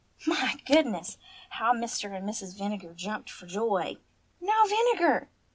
My goodness ! How Mr. and Mrs. Vinegar jumped for joy' "Now, Vinegar!"